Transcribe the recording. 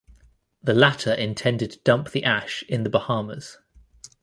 The latter intended to dump the ash in the Bahamas.